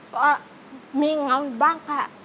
ก็มีเหงาบ้างค่ะ